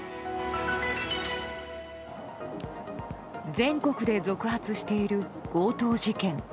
全国で続発している強盗事件。